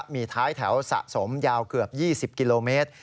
มีท้ายแถวสะสมยาวเกือบ๒๐กิโลเมตร